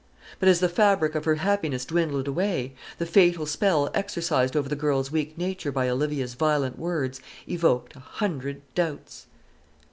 But as the fabric of her happiness dwindled away, the fatal spell exercised over the girl's weak nature by Olivia's violent words evoked a hundred doubts.